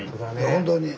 本当に。